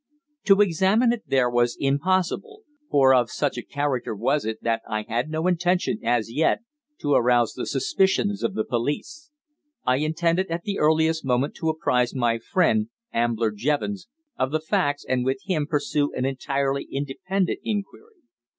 To examine it there was impossible, for of such a character was it that I had no intention, as yet, to arouse the suspicions of the police. I intended at the earliest moment to apprise my friend, Ambler Jevons, of the facts and with him pursue an entirely independent inquiry.